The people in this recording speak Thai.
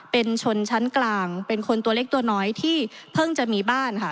เป็นชนชั้นกลางเป็นคนตัวเล็กตัวน้อยที่เพิ่งจะมีบ้านค่ะ